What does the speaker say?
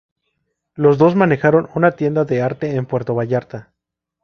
Los dos manejaron una tienda de arte en Puerto Vallarta.